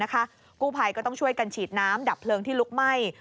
กู้ภัยก็ต้องช่วยกันฉีดน้ำดับเพลิงที่ลุกไหม้